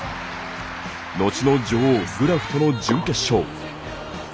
後の女王、グラフとの準決勝。